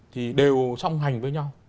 thì đều song hành với nhau